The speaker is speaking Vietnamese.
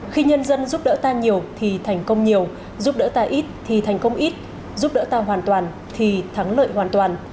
khi nhân dân giúp đỡ ta nhiều thì thành công nhiều giúp đỡ ta ít thì thành công ít giúp đỡ ta hoàn toàn thì thắng lợi hoàn toàn